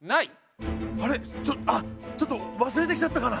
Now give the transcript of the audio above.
あれあっちょっと忘れてきちゃったかな。